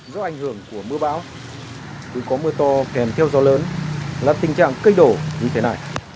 do ảnh hưởng của mưa bão vì có mưa to kèm theo gió lớn là tình trạng cây đổ như thế này